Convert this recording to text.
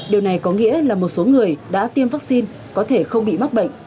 điều này có nghĩa là một số người đã tiêm vaccine có thể không bị mắc bệnh